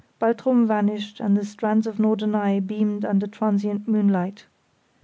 Baltrum vanished and the strands of Norderney beamed under transient moonlight.